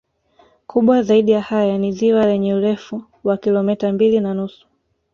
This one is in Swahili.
Kubwa zaidi ya haya ni ziwa lenye urefu wa kilometa mbili na nusu